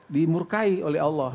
dimurkai oleh allah